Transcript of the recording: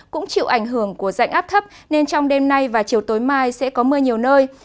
cũng chịu ảnh hưởng của dạnh áp thấp nên trong đêm nay và chiều tối mai sẽ có mưa nhiều nơi